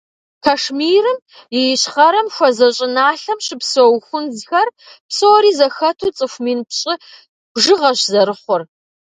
Кашмирым и ищхъэрэм хуэзэ щӏыналъэм щыпсэу хунзхэр псори зэхэту цӏыху мин пщӏы бжыгъэщ зэрыхъур.